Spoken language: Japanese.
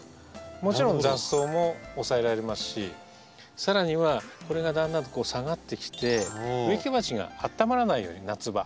もちろん雑草も抑えられますしさらにはこれがだんだんと下がってきて植木鉢があったまらないように夏場。